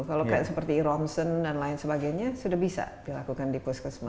kalau seperti ronson dan lain sebagainya sudah bisa dilakukan di puskesmas